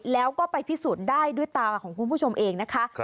แล้วก็ไปพิสูจน์ได้ด้วยตาของคุณผู้ชมเองนะคะ